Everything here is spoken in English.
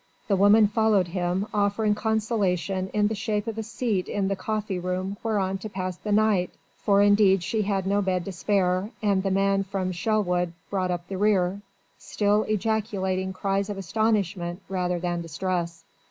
The woman followed him, offering consolation in the shape of a seat in the coffee room whereon to pass the night, for indeed she had no bed to spare, and the man from Chelwood brought up the rear still ejaculating cries of astonishment rather than distress.